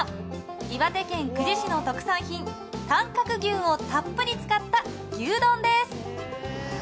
岩手県久慈市の特産品短角牛をたっぷり使った牛丼です。